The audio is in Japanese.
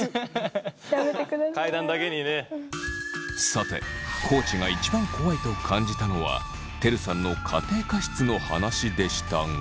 さて地が一番怖いと感じたのはてるさんの家庭科室の話でしたが。